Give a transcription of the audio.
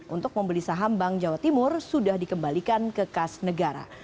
untuk membeli saham bank jawa timur sudah dikembalikan ke kas negara